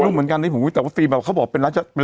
รู้เหมือนกันที่ผมวิจัยว่าฟิล์มแบบเขาบอกเป็นระยะเป็น